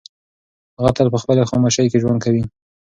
هغه تل په خپلې خاموشۍ کې ژوند کوي.